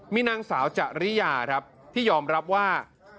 มีนางสาวจริยาครับที่ยอมรับว่า